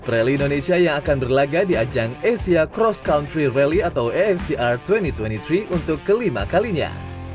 rally indonesia yang akan berlaga di ajang asia cross country rally atau afcr dua ribu dua puluh tiga untuk kelima kalinya